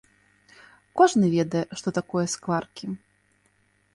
Кожны ведае, што такое скваркі.